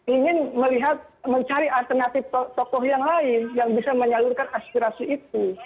ingin melihat mencari alternatif tokoh yang lain yang bisa menyalurkan aspirasi itu